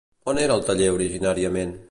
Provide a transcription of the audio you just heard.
On era el taller originàriament?